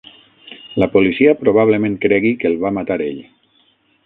La policia probablement cregui que el va matar ell.